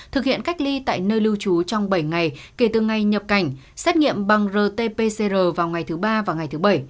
thực hiện cách ly tại nơi lưu trú trong bảy ngày kể từ ngày nhập cảnh xét nghiệm bằng rt pcr vào ngày thứ ba và ngày thứ bảy